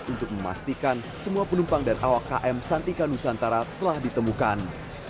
untuk memastikan semua penumpang dan awak km santika nusantara telah ditemukan